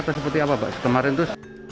kan ada seperti apa pak kemarin tuh